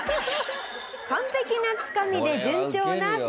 完璧なつかみで順調な滑り出し。